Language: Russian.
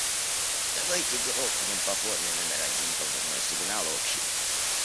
Давайте грохнем по форме номер один позывной сигнал общий.